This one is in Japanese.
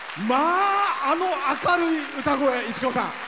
あの明るい歌声、市川さん。